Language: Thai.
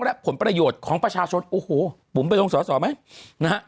และผลประโยชน์ของประชาชนบุ๋มไปลงสอสอไหม